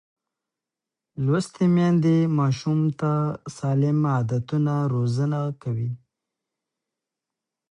لوستې میندې ماشوم ته سالم عادتونه ورزده کوي.